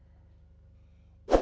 bukan kue basahnya